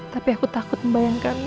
tapi aku takut membayangkannya